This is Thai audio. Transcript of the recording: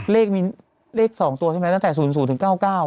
เลขมีเลข๒ตัวใช่ไหมตั้งแต่๐๐ถึง๙๙